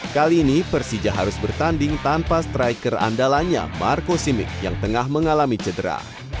kali ini persija harus bertanding tanpa striker andalanya marco simic yang tengah mengalami cedera